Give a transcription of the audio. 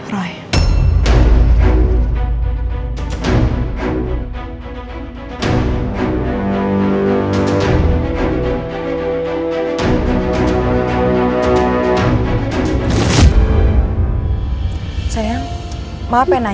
resolutions aku belum allah tau